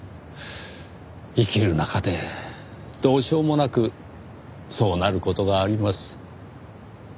生きる中でどうしようもなくそうなる事があります。